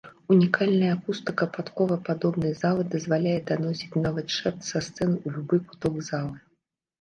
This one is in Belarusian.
Унікальная акустыка падковападобнай залы дазваляе даносіць нават шэпт са сцэны ў любы куток залы.